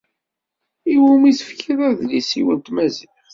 I wumi tefkiḍ adlis-iw n tmaziƔt?